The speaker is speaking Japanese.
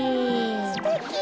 すてき。